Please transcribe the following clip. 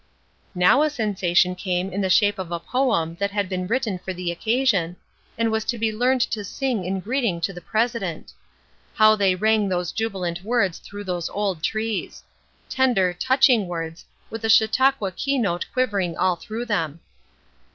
Now a sensation came in the shape of a poem that had been written for the occasion, and was to be learned to sing in greeting to the president. How they rang those jubilant words through those old trees! Tender, touching words, with the Chautauqua key note quivering all through them.